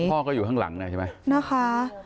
พ่อก็อยู่ข้างหลังนะใช่ไหมนะคะ